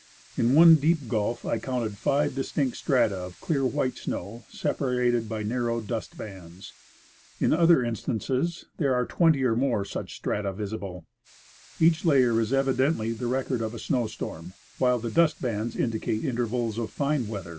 Li one deep gulf I counted five distinct strata of clear white snow, separated by narrow dust bands. In other instances there are twenty or more such strata visible. Each layer is evidently the record of a snow storm, while the dust bands indicate intervals of fine weather. * Named for Havid Dale Owen, United States geolorist. 140 1.